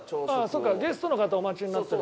ゲストの方お待ちになってる。